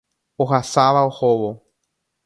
Ohasáva ohóvo.